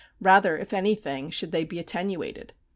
Rather, if anything, should they be attenuated.